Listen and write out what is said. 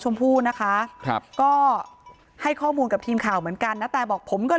ชมพู้นะคะก็ให้ข้อมูลกับทีมเข่าเหมือนกันนะแต่บอกผม